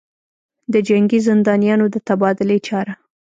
دجنګي زندانیانودتبادلې چاره